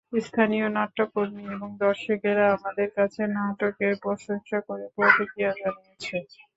স্থানীয় নাট্যকর্মী এবং দর্শকেরা আমাদের কাছে নাটকের প্রশংসা করে প্রতিক্রিয়া জানিয়েছে।